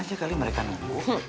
biar aja kali mereka nunggu